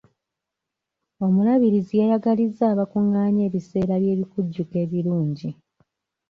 Omulabirizi yayagalizza abakungaanye ebiseera by'ebikujjuko ebirungi.